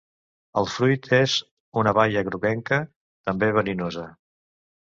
El fruit és una baia groguenca, també verinosa.